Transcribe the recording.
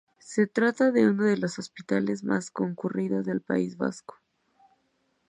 Se trata de uno de los hospitales más concurridos del País Vasco.